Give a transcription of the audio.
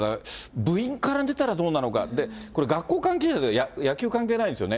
部員から出たらどうなのか、これ、学校関係者で野球関係ないんですよね。